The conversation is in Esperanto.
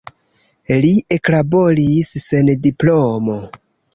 Li eklaboris sen diplomo.